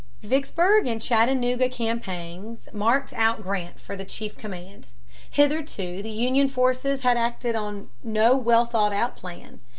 The Vicksburg and Chattanooga campaigns marked out Grant for the chief command. Hitherto the Union forces had acted on no well thought out plan.